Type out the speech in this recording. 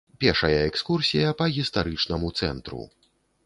Пешая экскурсія па гістарычнаму цэнтру.